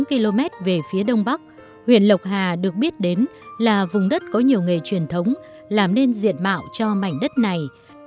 khoảng một mươi tám km về phía đông bắc huyện lộc hà được biết đến là vùng đất có nhiều nghề truyền thống làm nên diện mạo cho mảnh đất này